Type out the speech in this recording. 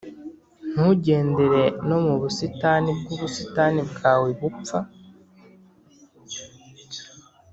ntugendere no mu busitani bwubusitani bwawe bupfa